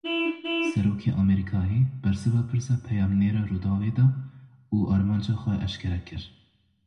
Serokê Amerîkayê bersiva pirsa peyamnêra Rûdawê da û armanca xwe eşkere kir.